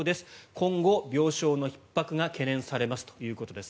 今後、病床のひっ迫が懸念されますということです。